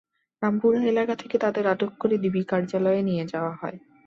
রামপুরা এলাকা থেকে তাঁদের আটক করে ডিবি কার্যালয়ে নিয়ে যাওয়া হয়।